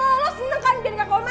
seharusnya kan biar gak koma